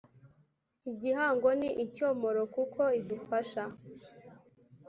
igihango Ni Icyomoro kuko idufasha